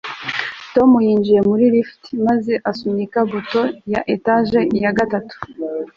tom yinjiye muri lift maze asunika buto ya etage ya gatatu